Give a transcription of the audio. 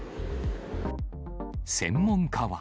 専門家は。